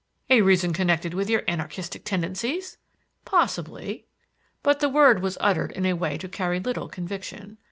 "A reason connected with your anarchistic tendencies?" "Possibly." But the word was uttered in a way to carry little conviction.